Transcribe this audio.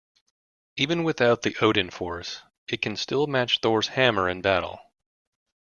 Even without the Odin Force it can still match Thor's hammer in battle.